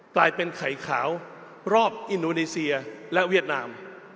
กลายเป็นไข่ขาวรอบอินโดนีเซียและเวียดนาม